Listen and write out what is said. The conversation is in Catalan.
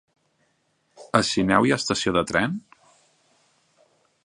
A Sineu hi ha estació de tren?